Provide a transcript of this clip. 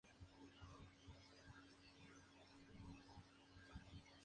Pertenece a la parroquia de Illas.